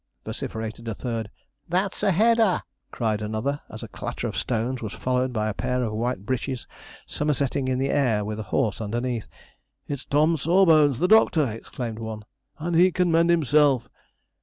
vociferated a third. 'That's a header!' cried another, as a clatter of stones was followed by a pair of white breeches summerseting in the air with a horse underneath. 'It's Tom Sawbones, the doctor!' exclaimed one, 'and he can mend himself.'